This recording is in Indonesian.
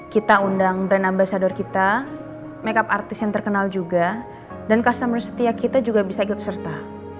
kita undang brand ambasador kita makeup artis yang terkenal juga dan customer setia kita juga bisa ikut serta